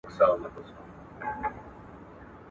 ستا خو به هېر یمه خو زه دي هېرولای نه سم ,